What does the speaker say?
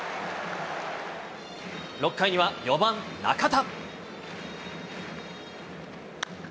６回には４番中田。